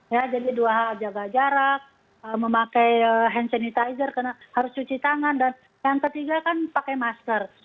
ya jadi dua hal jaga jarak memakai hand sanitizer karena harus cuci tangan dan yang ketiga kan pakai masker